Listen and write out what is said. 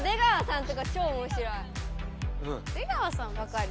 ・出川さんわかる。